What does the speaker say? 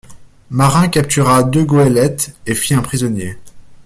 Marin captura deux goélettes et fit un prisonnier.